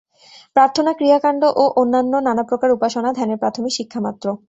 প্রার্থনা, ক্রিয়াকাণ্ড এবং অন্যান্য নানাপ্রকার উপাসনা ধ্যানের প্রাথমিক শিক্ষা মাত্র।